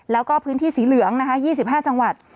แล้วก็พื้นที่สีเหลือง๒๕จังหวัด